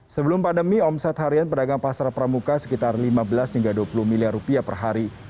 sebelum pandemi omset harian pedagang pasar pramuka sekitar lima belas hingga dua puluh miliar rupiah per hari